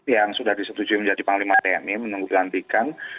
yang sudah disetujui menjadi panglima tni menunggu pelantikan